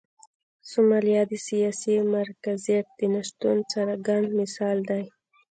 سومالیا د سیاسي مرکزیت د نشتون څرګند مثال دی.